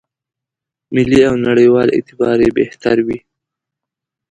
ملي او نړېوال اعتبار یې بهتر وي.